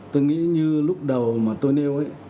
tôi nghĩ như lúc đầu mà tôi nêu ý